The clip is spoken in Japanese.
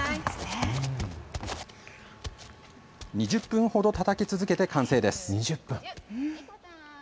２０分ほどたたき続けて完成です。